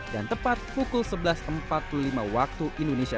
dan tepat pukul sebelas empat puluh lima waktu indonesia